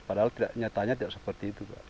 padahal nyatanya tidak seperti itu pak